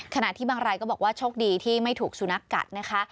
ขณะที่บางรายก็บอกว่าโชคดีที่ไม่ถูกสุนัขกัดนะคะ